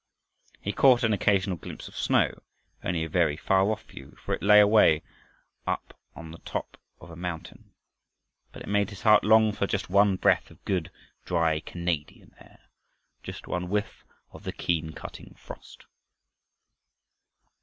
He caught an occasional glimpse of snow, only a very far off view, for it lay away up on the top of a mountain, but it made his heart long for just one breath of good dry Canadian air, just one whiff of the keen, cutting frost.